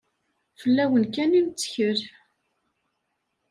Fell-awen kan i nettkel